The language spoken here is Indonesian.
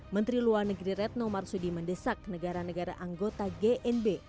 menteri luar negeri retno marsudi mendesak negara negara anggota gnb